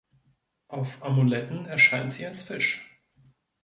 Auf Amuletten erscheint sie als Fisch.